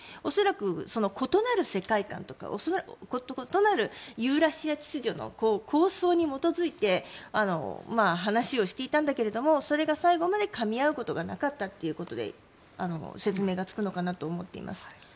恐らく異なる世界観とか異なるユーラシア秩序の構想に基づいて話をしていたんだけどもそれが最後までかみ合うことがなかったということで説明がつくのかなと思っています。